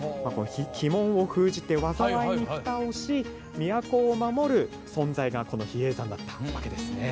鬼門を封じて、災いにふたをし都を守る存在がこの比叡山だったわけですね。